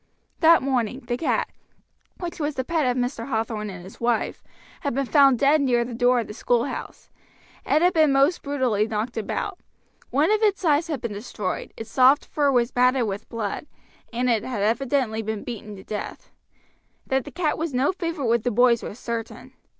That morning the cat, which was the pet of Mr. Hathorn and his wife, had been found dead near the door of the schoolhouse. It had been most brutally knocked about. One of its eyes had been destroyed, its soft fur was matted with blood, and it had evidently been beaten to death. That the cat was no favorite with the boys was certain.